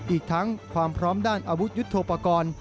อีกทั้งความพร้อมด้านอาวุธยุทธโปรกรณ์